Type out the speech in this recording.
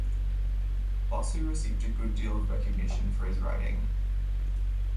Basu received a good deal of recognition for his writing.